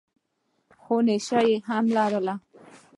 خو نېشه هم لري.